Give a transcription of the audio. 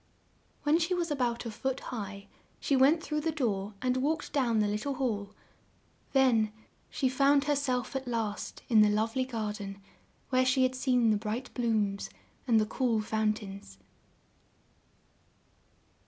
When she was a bout a foot high, she went through the door and walked down the lit tle hall; then she found herself, at last, in the love ly garden, where she had seen the bright blooms and the cool foun tains.